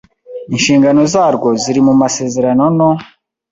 inshingano zarwo ziri mu masezerano no